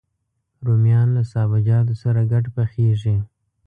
رومیان له سابهجاتو سره ګډ پخېږي